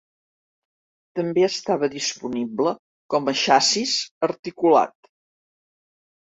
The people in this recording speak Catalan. També estava disponible com a xassís articulat.